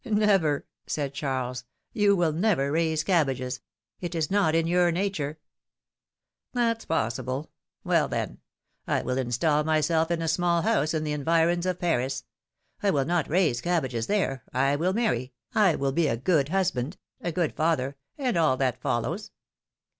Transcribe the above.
Never !" said Charles ; you will never raise cab bages ! It is not in your nature !" ''That's possible! Well, then! I will install myself in a small house in the environs of Paris ; I will not raise cabbages there, I will marry, I will be a good husband, a good father, and all that follows."